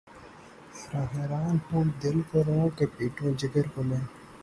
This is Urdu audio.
حیراں ہوں‘ دل کو روؤں کہ‘ پیٹوں جگر کو میں